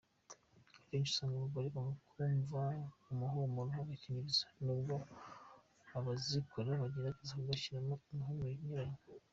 Akenshi usanga abagore banga kumva umuhumuro w’agakingirizo nubwo abazikora bagerageza bagashyiramo imihumuro inyuranye.